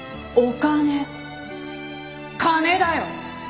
金だよ！